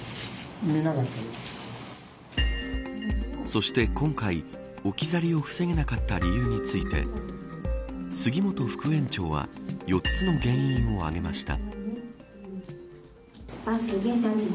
そして、今回置き去りを防げなかった理由について杉本副園長は４つの原因を挙げました。